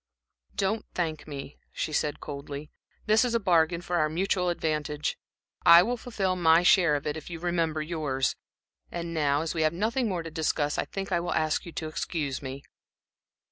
"Don't thank me," she said, coldly. "This is a bargain for our mutual advantage. I will fulfil my share of it if you remember yours. And now, as we have nothing more to discuss, I think I will ask you to excuse me."